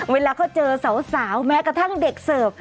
เวลาเขาเจอสาวแม้กระทั่งเด็กเสิร์ฟ